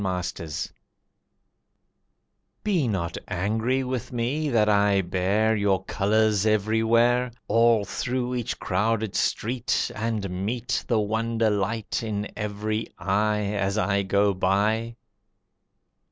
Apology Be not angry with me that I bear Your colours everywhere, All through each crowded street, And meet The wonder light in every eye, As I go by.